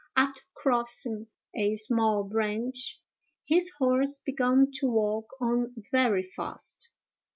After crossing a small branch, his horse began to walk on very fast.